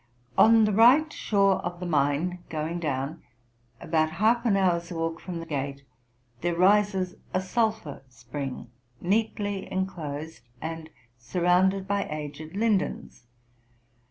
On the right shore of the Main, going down, about half an hour's walk from the gate, there rises a sulphur spring, neatly enclosed, and surrounded by aged lindens.